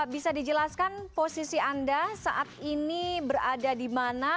bisa dijelaskan posisi anda saat ini berada di mana